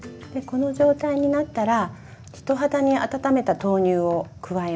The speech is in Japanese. この状態になったら人肌に温めた豆乳を加えます。